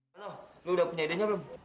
halo lu udah punya ide nya belum